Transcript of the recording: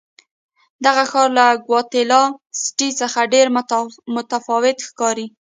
دغه ښار له ګواتیلا سیټي څخه ډېر متفاوت ښکاري.